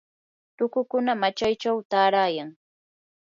tukukuna machaychaw taarayan.